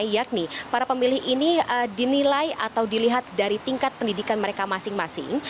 yakni para pemilih ini dinilai atau dilihat dari tingkat pendidikan mereka masing masing